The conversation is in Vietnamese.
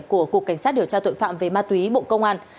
của cục cảnh sát điều tra tội phạm về ma túy bộ công an